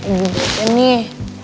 ibu bosen nih